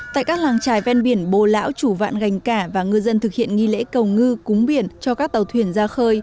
tại các làng trài ven biển bồ lão chủ vạn gành cả và ngư dân thực hiện nghi lễ cầu ngư cúng biển cho các tàu thuyền ra khơi